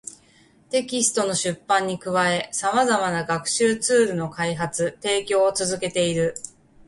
テキストの出版に加え、様々な学習ツールの開発・提供を続けている